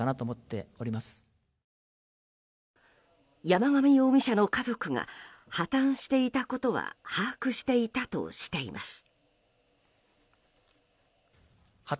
山上容疑者の家族が破綻していたことは把握していたとしています。